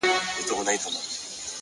را ژوندی سوی يم ـ اساس يمه احساس يمه ـ